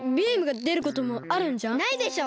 ないでしょ！